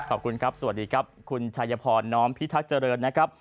ขอบคุณครับสวัสดีครับคุณชายพรน้อมพิทักษ์เจริญนะครับ